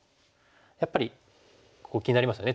やっぱりここ気になりますよね